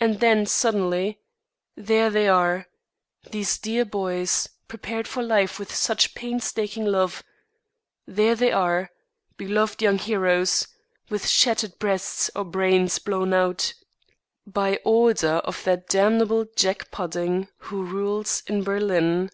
And then, suddenly, there they are, these dear boys, prepared for life with such painstaking love; there they are, beloved young heroes, with shattered breast or brains blown out by order of that damnable Jack pudding who rules in Berlin.